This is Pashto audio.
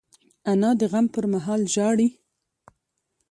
انا د غم پر مهال ژاړي